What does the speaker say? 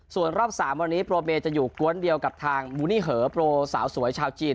ส่วนรอบ๓วันนี้โปรเมย์จะอยู่กวนเดียวกับทางบูนี่เหอโปรสาวสวยชาวจีน